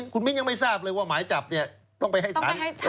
คุณมิ้นยังไม่ทราบเลยว่าหมายจับเนี่ยต้องไปให้สาร